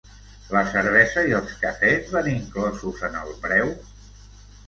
La cervesa i els cafès van inclosos en el preu?